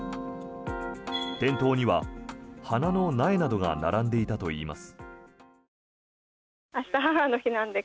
店頭には花の苗などが並んでいたといいます。